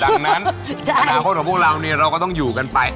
ดังนั้นอนาคตของพวกเราเราก็ต้องอยู่กันไป